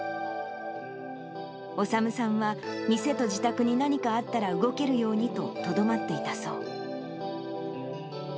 修さんは、店と自宅に何かあったら動けるようにととどまっていたそう。